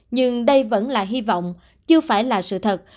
nhưng đây vẫn là hy vọng chưa phải là sự thật